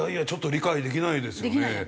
ちょっと理解できないですよね。